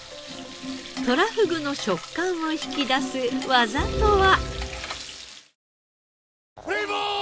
とらふぐの食感を引き出す技とは？